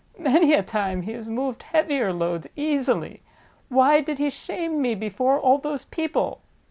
Many a time he has moved heavier loads easily. Why did he shame me before all those people?"